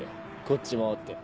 こっち戻って。